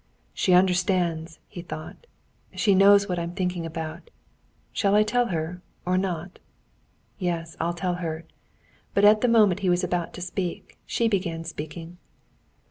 "She understands," he thought; "she knows what I'm thinking about. Shall I tell her or not? Yes, I'll tell her." But at the moment he was about to speak, she began speaking.